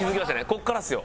ここからですよ。